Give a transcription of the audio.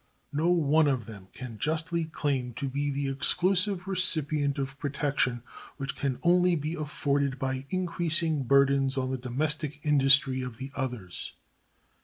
No one of them can justly claim to be the exclusive recipient of "protection," which can only be afforded by increasing burdens on the "domestic industry" of the others.